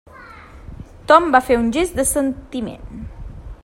Tom va fer un gest d'assentiment.